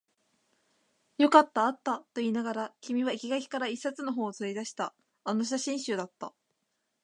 よかった、あったと言いながら、君は生垣から一冊の本を取り出した。あの写真集だった。